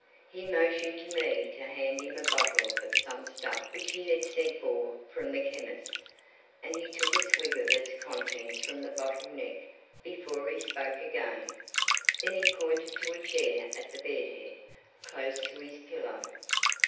He motioned to me to hand him a bottle of some stuff which he had sent for from the chemist, and he took a swig of its contents from the bottle neck before he spoke again. Then he pointed to a chair at the bed head, close to his pillow.